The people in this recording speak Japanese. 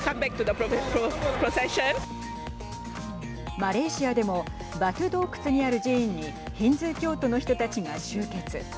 マレーシアでもバトゥ洞窟にある寺院にヒンズー教徒の人たちが集結。